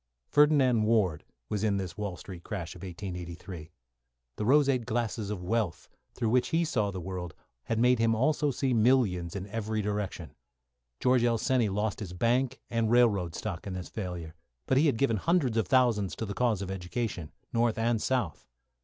Ferdinand Ward was in this Wall Street crash of 1883. The roseate glasses of wealth through which he saw the world had made him also see millions in every direction. George L. Seney lost his bank and railroad stock in this failure, but he had given hundreds of thousands to the cause of education, North and South.